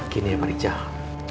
gini ya pak rijal